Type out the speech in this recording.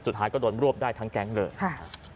สุดท้ายก็โดนรวบได้ทั้งแก๊งเลยค่ะ